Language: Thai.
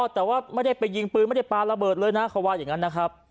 แต่ว่าไม่ได้ไปยิงปืนไม่ได้ปลาระเบิดเลยนะเขาว่าอย่างนั้นนะครับ